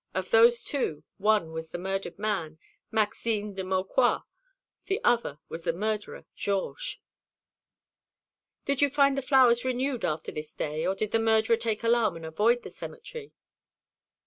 Of those two, one was the murdered man, Maxime de Maucroix; the other was the murderer Georges." "Did you find the flowers renewed after this day, or did the murderer take alarm and avoid the cemetery?"